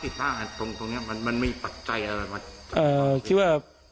เอ่อคิดว่า